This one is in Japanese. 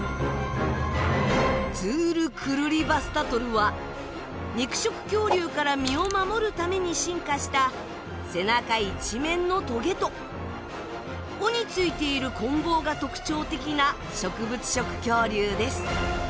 ズール・クルリヴァスタトルは肉食恐竜から身を守るために進化した背中一面のトゲと尾についているこん棒が特徴的な植物食恐竜です。